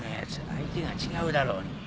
相手が違うだろうに。